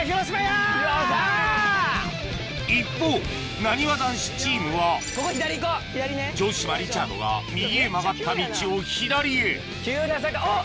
一方なにわ男子チームは城島リチャードが右へ曲がった道を左へ急な坂あっ！